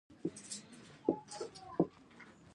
جهاد ته یې تشویقول.